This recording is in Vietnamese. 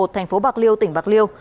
thành phố bạc liêu tỉnh bạc liêu